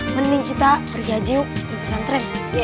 mending kita pergi aja yuk di pesantren